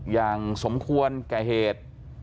อย่างสมควรแก่เหตุ